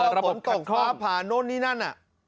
อ๋อระบบขัดข้องตกฟ้าผ่านนู่นนี่นั่น